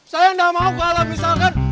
saya gak mau kalau misalkan